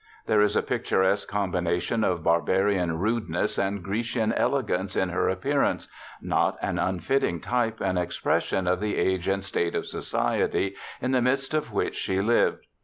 There is a picturesque combination of barbarian rudeness and Grecian elegance in her appearance, not an unfitting type and expression of the age and state of society, in the midst of which she lived.